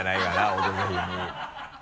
「オドぜひ」に。